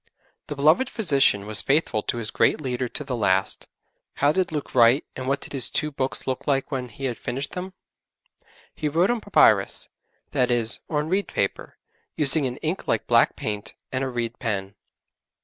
The beloved physician was faithful to his great leader to the last. How did Luke write, and what did his two books look like when he had finished them? He wrote on papyrus that is, on reed paper, using an ink like black paint, and a reed pen.